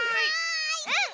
うん！